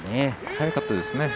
速かったですね。